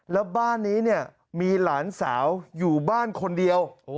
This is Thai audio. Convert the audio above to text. แล้วบ้านนี้เนี่ยมีหลานสาวอยู่บ้านคนเดียว